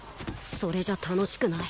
それじゃ楽しくない。